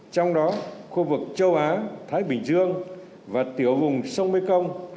trong đó khu vực châu á thái bình dương và tiểu vùng sông mê công